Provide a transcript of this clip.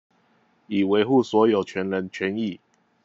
以維護所有權人權益